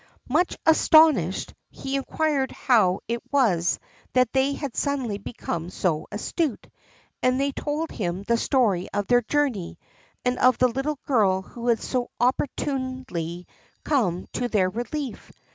Much astonished, he inquired how it was that they had suddenly become so astute, and they told him the story of their journey, and of the little girl who had so opportunely come to their relief.